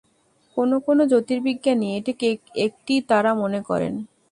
কোনও কোনও জ্যোতির্বিজ্ঞানী এটিকে একটি তারা মনে করেন।